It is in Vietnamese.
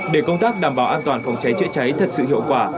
để công tác đảm bảo an toàn phòng cháy chữa cháy thật sự hiệu quả